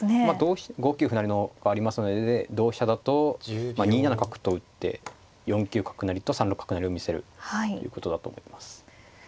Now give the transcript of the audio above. ５九歩成のありますので同飛車だと２七角と打って４九角成と３六角成を見せるということだと思います。